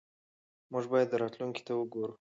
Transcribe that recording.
موږ باید راتلونکي ته وګورو.